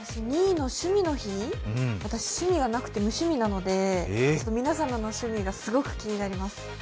２位の趣味の日私趣味がなくて無趣味なので皆さんの趣味がすごく気になります。